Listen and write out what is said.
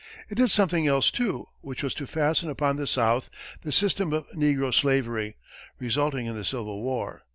It did something else, too, which was to fasten upon the South the system of negro slavery, resulting in the Civil War.